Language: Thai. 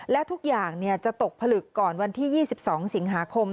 และทุกอย่างจะตกผลึกก่อนวันที่๒๒สิงหาคม